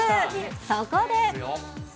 そこで。